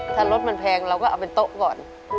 ถ้ารถมันแพงเราก็เอาเป็นโต๊ะก่อน